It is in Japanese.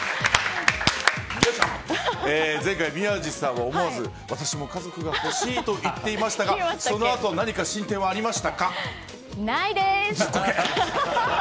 前回、宮司さんは思わず私も家族が欲しいと言っていましたがそのあとないでーす！